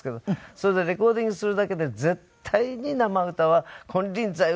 それでレコーディングするだけで絶対に生歌は金輪際歌いませんって。